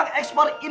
apaan sih bos aku